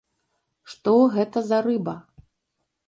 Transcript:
Што гэта за рыба?